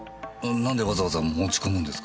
何でわざわざ持ち込むんですか？